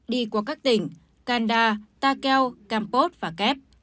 đi qua các tỉnh kanda takeo kampot và kép